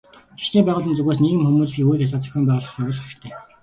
Шашны байгууллагын зүгээс нийгэм хүмүүнлэгийн үйл ажиллагаа зохион явуулах хэрэгтэй.